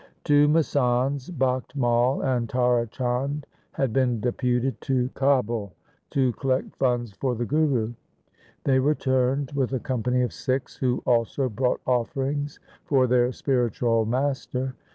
Two masands, Bakht Mai and Tara Chand, had been deputed to Kabul to collect funds for the Guru. They returned with a company of Sikhs who also brought offerings for their spiritual master.